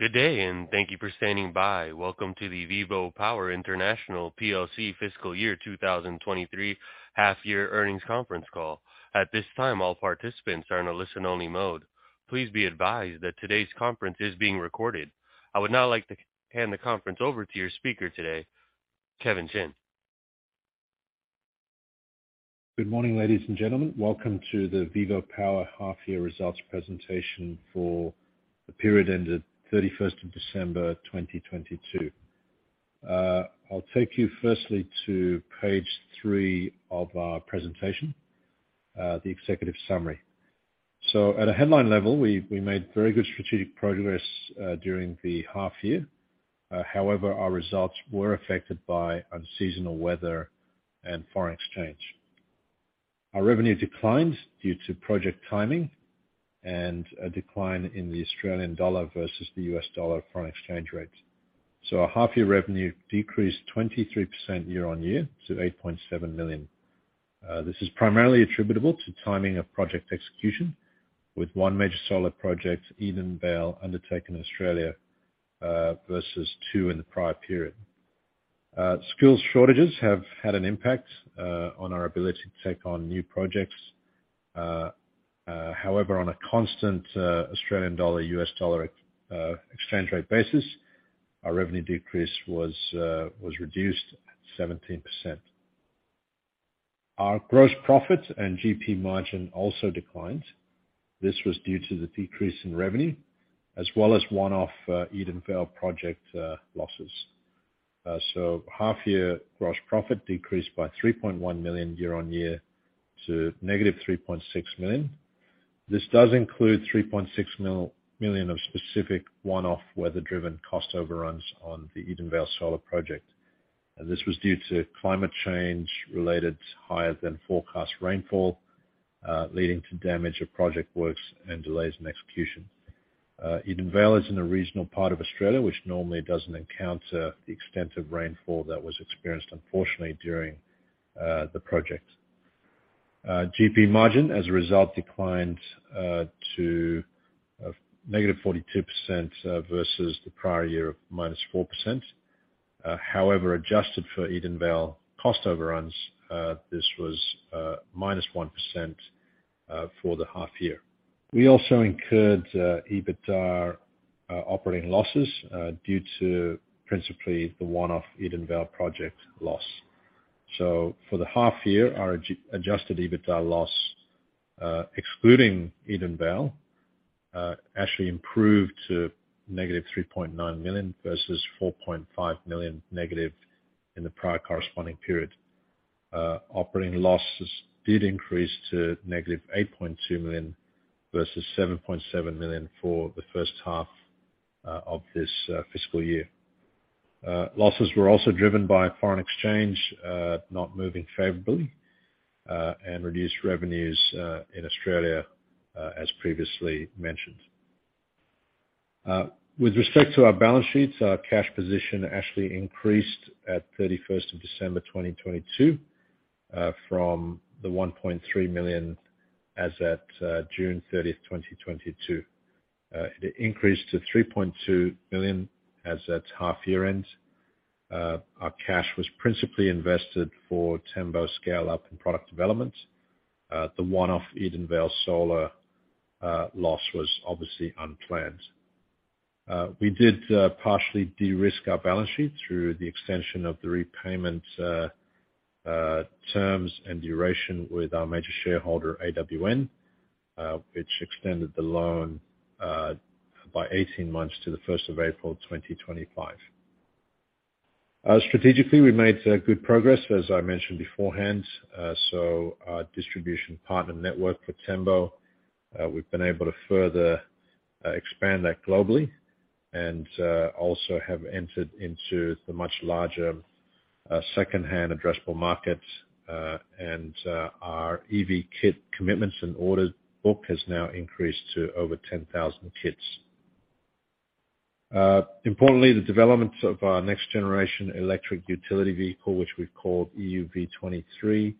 Good day, and thank you for standing by. Welcome to the VivoPower International PLC Fiscal Year 2023 half-year earnings conference call. At this time, all participants are in a listen-only mode. Please be advised that today's conference is being recorded. I would now like to hand the conference over to your speaker today, Kevin Chin. Good morning, ladies and gentlemen. Welcome to the VivoPower half-year results presentation for the period ended 31st of December 2022. I'll take you firstly to page three of our presentation, the executive summary. At a headline level, we made very good strategic progress during the half-year. However, our results were affected by unseasonal weather and foreign exchange. Our revenue declined due to project timing and a decline in the Australian dollar versus the US dollar foreign exchange rate. Our half-year revenue decreased 23% year-on-year to $8.7 million. This is primarily attributable to timing of project execution, with one major solar project, Edenvale, undertaken in Australia, versus two in the prior period. Skills shortages have had an impact on our ability to take on new projects. However, on a constant Australian dollar, US dollar exchange rate basis, our revenue decrease was reduced 17%. Our gross profit and GP margin also declined. This was due to the decrease in revenue, as well as one-off Edenvale project losses. Half-year gross profit decreased by $3.1 million year-over-year to -$3.6 million. This does include $3.6 million of specific one-off weather-driven cost overruns on the Edenvale Solar project. This was due to climate change related to higher than forecast rainfall, leading to damage of project works and delays in execution. Edenvale is in a regional part of Australia which normally doesn't encounter the extent of rainfall that was experienced, unfortunately, during the project. GP margin, as a result, declined to -42% versus the prior year of -4%. Adjusted for Edenvale cost overruns, this was -1% for the half year. We also incurred EBITDA operating losses due to principally the one-off Edenvale project loss. For the half year, our adjusted EBITDA loss, excluding Edenvale, actually improved to -$3.9 million versus -$4.5 million in the prior corresponding period. Operating losses did increase to -$8.2 million versus $7.7 million for the first half of this fiscal year. Losses were also driven by foreign exchange not moving favorably and reduced revenues in Australia, as previously mentioned. With respect to our balance sheets, our cash position actually increased at 31st of December 2022, from $1.3 million as at June 30th, 2022. It increased to $3.2 million as at half year-end. Our cash was principally invested for Tembo scale-up and product development. The one-off Edenvale Solar loss was obviously unplanned. We did partially de-risk our balance sheet through the extension of the repayment terms and duration with our major shareholder, AWN, which extended the loan by 18 months to the 1st of April, 2025. Strategically, we made good progress, as I mentioned beforehand. Our distribution partner network for Tembo, we've been able to further expand that globally and also have entered into the much larger secondhand addressable market. Our EV kit commitments and orders book has now increased to over 10,000 kits. Importantly, the development of our next-generation electric utility vehicle, which we've called EUV23,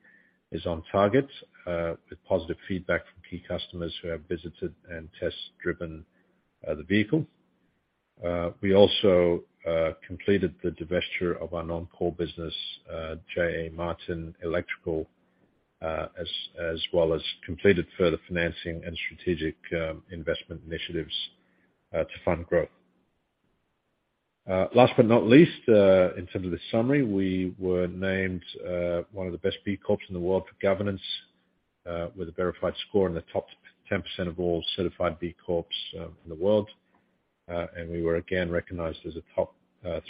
is on target with positive feedback from key customers who have visited and test-driven the vehicle. We also completed the divesture of our non-core business, J.A. Martin Electrical, as well as completed further financing and strategic investment initiatives to fund growth. Last but not least, in terms of the summary, we were named one of the best B Corps in the world for governance, with a verified score in the top 10% of all certified B Corps in the world. We were again recognized as a top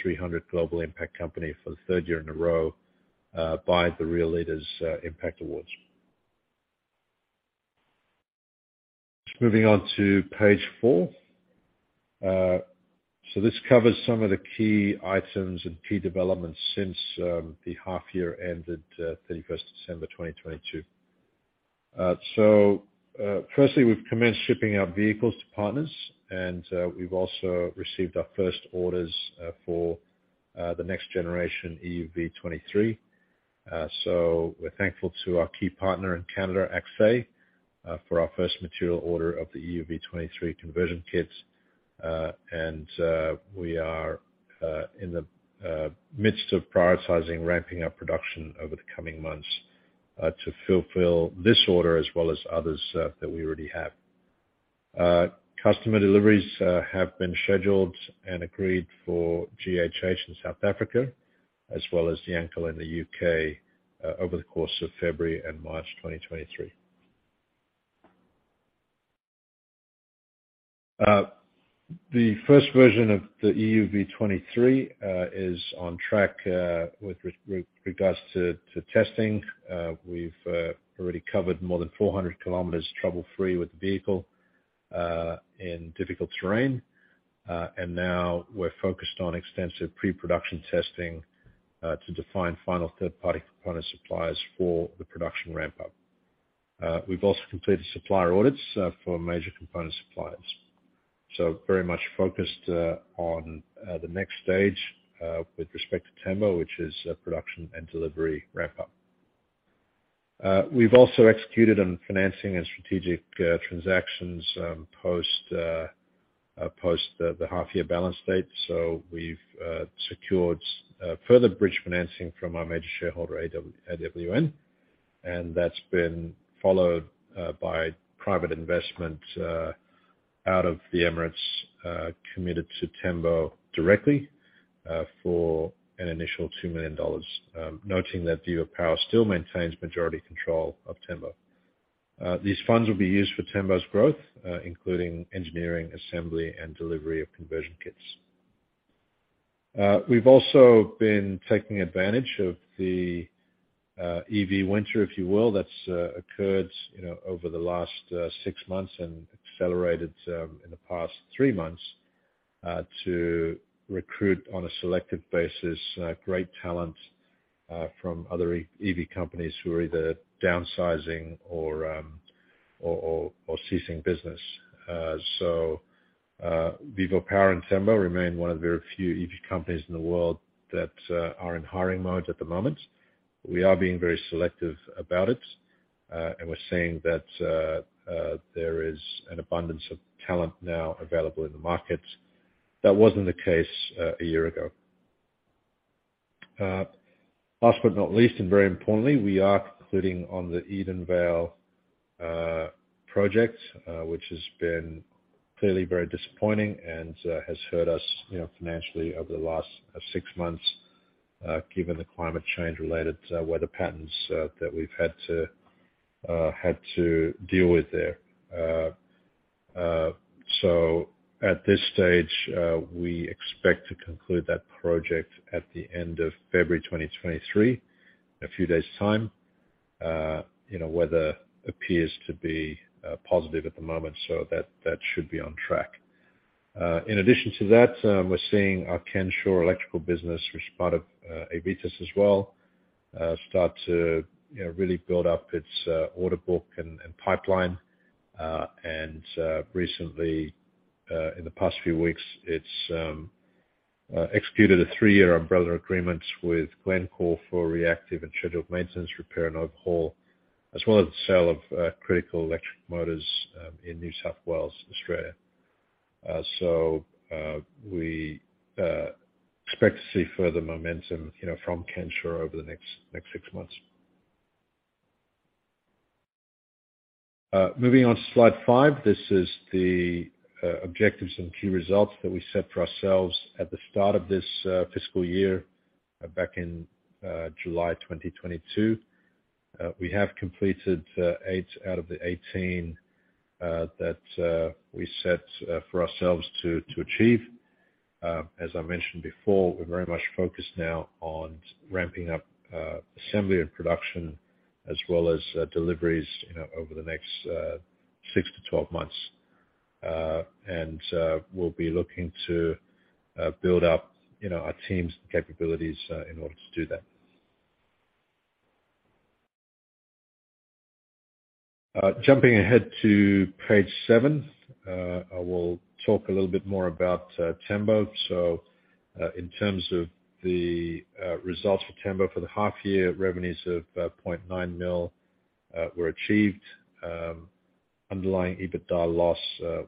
300 global impact company for the third year in a row by the Real Leaders Impact Awards. Moving on to page four. This covers some of the key items and key developments since the half year ended 31st December 2022. Firstly, we've commenced shipping our vehicles to partners, we've also received our first orders for the next generation EUV23. We're thankful to our key partner in Canada, Acces Industriel Mining Inc., for our first material order of the EUV23 conversion kits. We are in the midst of prioritizing ramping up production over the coming months to fulfill this order as well as others that we already have. Customer deliveries have been scheduled and agreed for GHH in South Africa, as well as Jankel in the U.K., over the course of February and March 2023. The first version of the EUV23 is on track with regards to testing. We've already covered more than 400 km trouble-free with the vehicle in difficult terrain. Now we're focused on extensive pre-production testing to define final third-party component suppliers for the production ramp-up. We've also completed supplier audits for major component suppliers. Very much focused on the next stage with respect to Tembo, which is production and delivery ramp-up. We've also executed on financing and strategic transactions post the half year balance date. We've secured further bridge financing from our major shareholder AWN, and that's been followed by private investment out of the Emirates committed to Tembo directly for an initial $2 million, noting that VivoPower still maintains majority control of Tembo. These funds will be used for Tembo's growth, including engineering, assembly, and delivery of conversion kits. We've also been taking advantage of the EV winter, if you will, that's occurred, you know, over the last six months and accelerated in the past three months, to recruit, on a selective basis, great talent from other EV companies who are either downsizing or ceasing business. VivoPower and Tembo remain one of the very few EV companies in the world that are in hiring mode at the moment. We are being very selective about it, and we're seeing that there is an abundance of talent now available in the market. That wasn't the case a year ago. Last but not least, and very importantly, we are concluding on the Edenvale project, which has been clearly very disappointing and has hurt us, you know, financially over the last six months, given the climate change-related weather patterns that we've had to deal with there. At this stage, we expect to conclude that project at the end of February 2023, a few days time. You know, weather appears to be positive at the moment, that should be on track. In addition to that, we're seeing our Kenshaw electrical business, which is part of Aevitas as well, start to, you know, really build up its order book and pipeline. Recently, in the past few weeks, it's executed a three-year umbrella agreement with Glencore for reactive and scheduled maintenance, repair and overhaul, as well as the sale of critical electric motors in New South Wales, Australia. We expect to see further momentum, you know, from Kenshaw over the next six months. Moving on to slide five. This is the objectives and key results that we set for ourselves at the start of this fiscal year back in July 2022. We have completed eight out of the 18 that we set for ourselves to achieve. As I mentioned before, we're very much focused now on ramping up assembly and production as well as deliveries, you know, over the next six to 12 months. We'll be looking to build up, you know, our team's capabilities in order to do that. Jumping ahead to page seven, I will talk a little bit more about Tembo. In terms of the results for Tembo for the half year, revenues of $0.9 million were achieved. Underlying EBITDA loss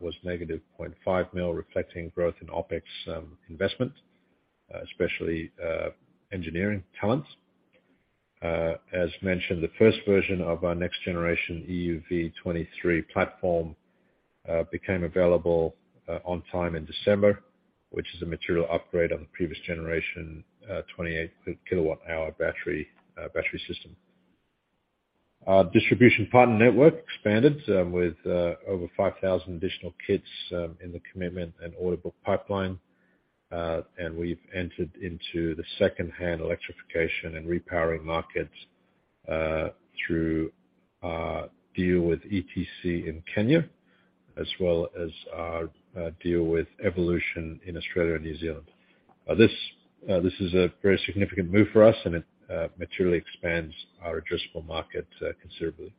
was -$0.5 million, reflecting growth in OpEx, investment, especially engineering talent. As mentioned, the first version of our next generation EUV23 platform became available on time in December, which is a material upgrade on the previous generation, 28 kWh battery system. Our distribution partner network expanded with over 5,000 additional kits in the commitment and order book pipeline. We've entered into the second-hand electrification and repowering markets through our deal with ETC in Kenya, as well as our deal with Evolution in Australia and New Zealand. This is a very significant move for us and it materially expands our addressable market considerably.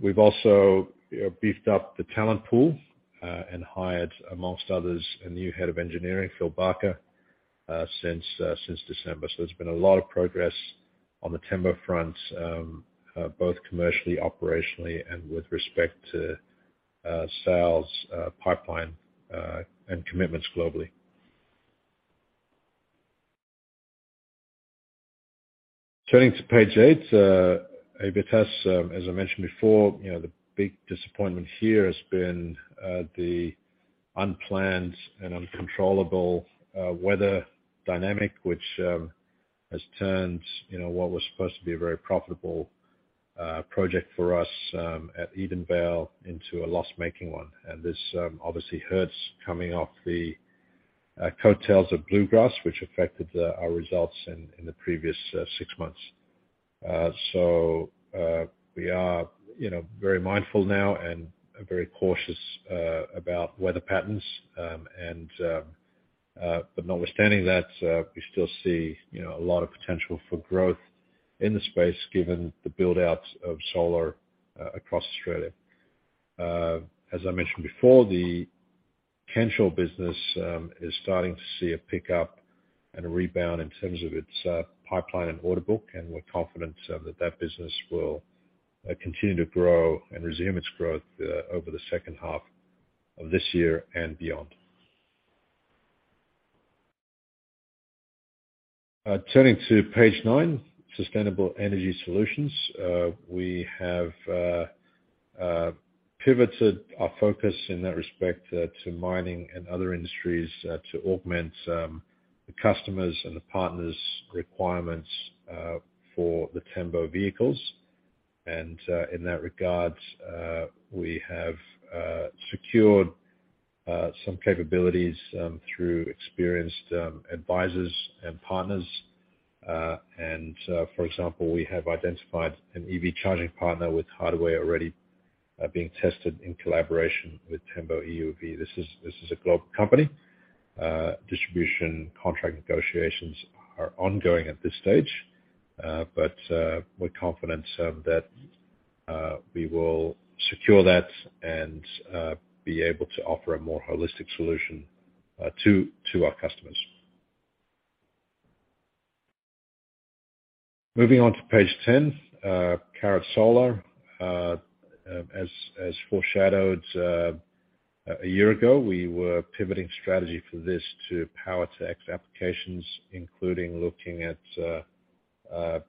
We've also, you know, beefed up the talent pool and hired, amongst others, a new Head of Engineering, Phil Barker, since December. There's been a lot of progress on the Tembo front, both commercially, operationally and with respect to sales pipeline and commitments globally. Turning to page eight, Aevitas, as I mentioned before, you know, the big disappointment here has been the unplanned and uncontrollable weather dynamic, which has turned, you know, what was supposed to be a very profitable project for us at Edenvale into a loss-making one. This obviously hurts coming off the coattails of Bluegrass, which affected our results in the previous six months. We are, you know, very mindful now and very cautious about weather patterns. Notwithstanding that, we still see, you know, a lot of potential for growth in the space given the build-outs of solar across Australia. As I mentioned before, the Kenshaw business is starting to see a pickup and a rebound in terms of its pipeline and order book, and we're confident that that business will continue to grow and resume its growth over the second half of this year and beyond. Turning to page nine, Sustainable Energy Solutions. We have pivoted our focus in that respect to mining and other industries to augment the customers and the partners' requirements for the Tembo vehicles. In that regard, we have secured some capabilities through experienced advisors and partners. For example, we have identified an EV charging partner with hardware already being tested in collaboration with Tembo EUV. This is a global company. Distribution contract negotiations are ongoing at this stage. We're confident that we will secure that and be able to offer a more holistic solution to our customers. Moving on to page 10, Caret Solar. As foreshadowed one year ago, we were pivoting strategy for this to power tech applications, including looking at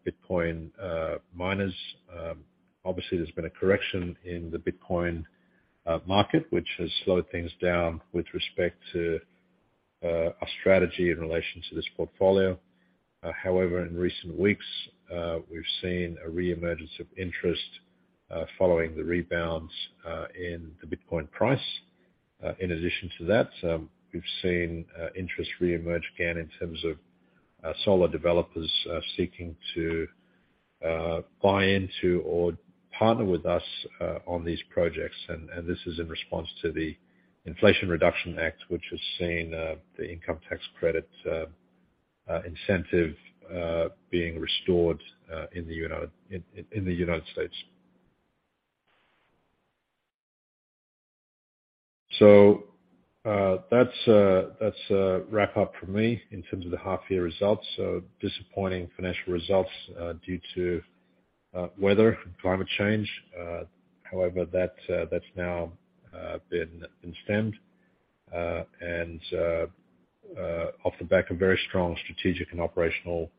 Bitcoin miners. Obviously, there's been a correction in the Bitcoin market, which has slowed things down with respect to our strategy in relation to this portfolio. However, in recent weeks, we've seen a re-emergence of interest following the rebounds in the Bitcoin price. In addition to that, we've seen interest re-emerge again in terms of solar developers seeking to buy into or partner with us on these projects. This is in response to the Inflation Reduction Act, which has seen the income tax credit incentive being restored in the United States. That's a wrap up for me in terms of the half year results. Disappointing financial results due to weather and climate change. However, that's now been stemmed. Off the back of very strong strategic and operational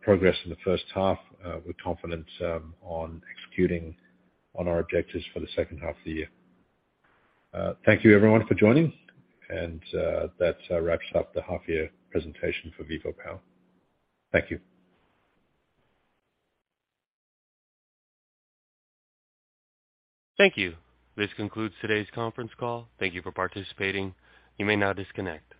progress in the first half, we're confident on executing on our objectives for the second half of the year. Thank you everyone for joining and, that, wraps up the half year presentation for VivoPower. Thank you. Thank you. This concludes today's conference call. Thank you for participating. You may now disconnect.